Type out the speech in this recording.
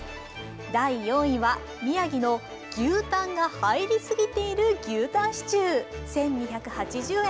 第４位は、宮城の牛たんが入りすぎている牛たんシチュー１２８０円。